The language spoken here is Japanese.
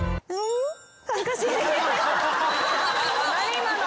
今の。